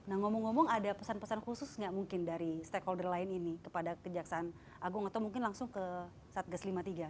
nah ngomong ngomong ada pesan pesan khusus nggak mungkin dari stakeholder lain ini kepada kejaksaan agung atau mungkin langsung ke satgas lima puluh tiga